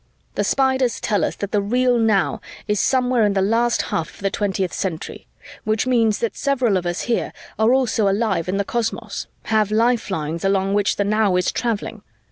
"The Spiders tell us that the real now is somewhere in the last half of the 20th Century, which means that several of us here are also alive in the cosmos, have lifelines along which the now is traveling.